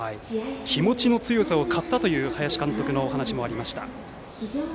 気持ちの強さを買ったという林監督の話もありました。